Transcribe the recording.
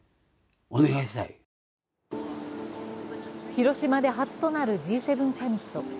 広島で初となるＧ７サミット。